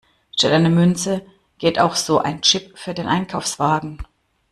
Statt einer Münze geht auch so ein Chip für den Einkaufswagen.